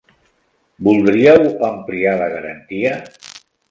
Voldríeu ampliar la garantia?